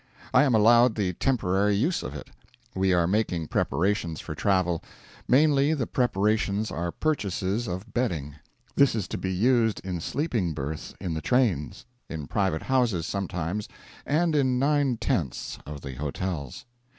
I am allowed the temporary use of it. We are making preparations for travel. Mainly the preparations are purchases of bedding. This is to be used in sleeping berths in the trains; in private houses sometimes; and in nine tenths of the hotels.